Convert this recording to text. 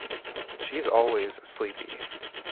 She's always sleepy!